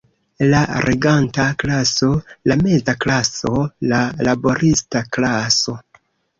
La reganta klaso, la meza klaso, la laborista klaso.